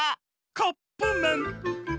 カップめん！